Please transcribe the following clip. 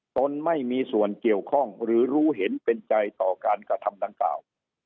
ตนไม่มีส่วนเกี่ยวข้องหรือรู้เห็นเป็นใจต่อการกระทำดังกล่าว